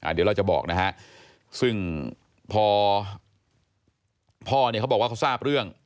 เดี๋ยวเราจะบอกนะฮะซึ่งพอพ่อเนี่ยเขาบอกว่าเขาทราบเรื่อง